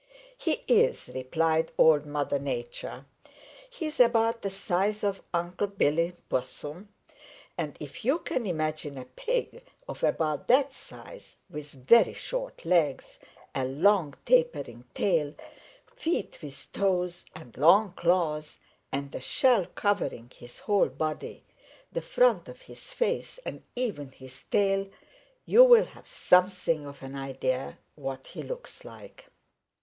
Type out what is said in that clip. "He is," replied Old Mother Nature. "He is about the size of Unc' Billy Possum, and if you can imagine a pig of about that size with very short legs, a long tapering tail, feet with toes and long claws and a shell covering his whole body, the front of his face and even his tail, you will have something of an idea what he looks like.